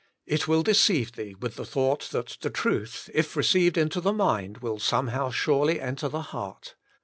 It will deceive thee with the thought that the truth, if received into the mind, will somehow surely enter the heart.